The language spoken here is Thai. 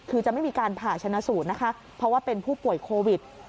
คือจะไม่มีการผ่าชนะสูตรนะคะเพราะว่าเป็นผู้ป่วยโควิด